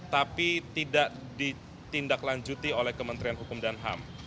tapi tidak ditindaklanjuti oleh kementerian hukum dan ham